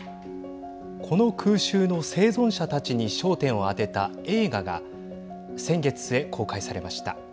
この空襲の生存者たちに焦点を当てた映画が先月末、公開されました。